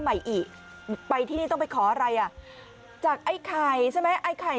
ใหม่อีกไปที่นี่ต้องไปขออะไรอ่ะจากไอ้ไข่ใช่ไหมไอ้ไข่